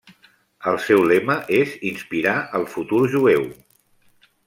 El seu lema és inspirar el futur jueu.